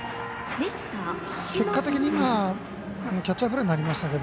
結果的にキャッチャーフライになりましたけど